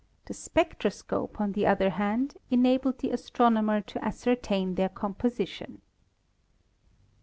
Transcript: The spectroscope, on the other hand, enabled the astronomer to ascertain their composition.